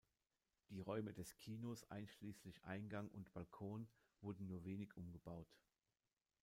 Die Räume des Kinos einschließlich Eingang und Balkon wurden nur wenig umgebaut.